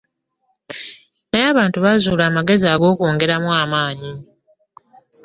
Naye abantu beezuulira amagezi agagwongeramu amaanyi.